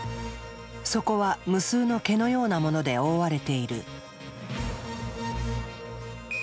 そこは無数の毛のようなもので覆われている。